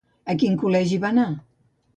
A quin col·legi va anar?